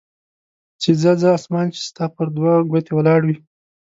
چې ځه ځه اسمان چې ستا پر دوه ګوتې ولاړ وي.